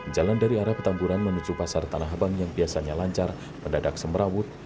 jalan dari arah petamburan menuju pasar tanah abang yang biasanya lancar mendadak semerawut